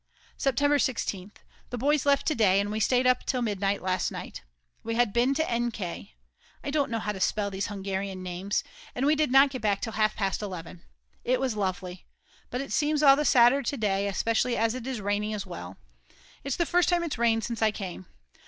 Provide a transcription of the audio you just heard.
September 16th. The boys left to day, and we stayed up till midnight last night. We had been to N K , I don't know how to spell these Hungarian names, and we did not get back till half past 11. It was lovely. But it seems all the sadder to day, especially as it is raining as well. It's the first time it's rained since I came.